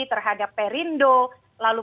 terhadap perindo lalu